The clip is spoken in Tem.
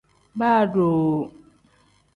Baa doo.